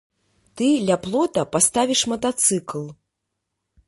Ты ля плота паставіш матацыкл.